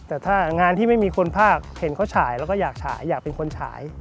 แต่ถ้างานที่ไม่มีคนภาคเห็นเขาฉายแล้วก็อยากฉายอยากเป็นคนฉาย